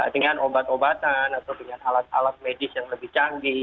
dengan obat obatan atau dengan alat alat medis yang lebih canggih